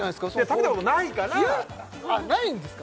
食べたことないからあっないんですか？